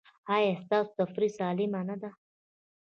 ایا ستاسو تفریح سالمه نه ده؟